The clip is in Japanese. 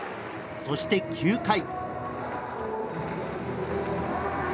そして９回。